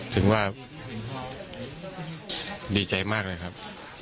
ถือว่าดีใจมากเลยครับ